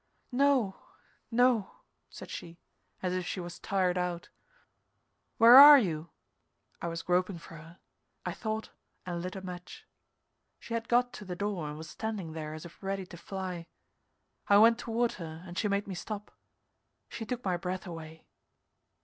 "No, no," said she, as if she was tired out. "Where are you?" I was groping for her. I thought, and lit a match. She had got to the door and was standing there as if ready to fly. I went toward her, and she made me stop. She took my breath away.